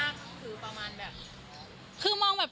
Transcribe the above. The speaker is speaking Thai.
เยอะมากถือประมาณแบบ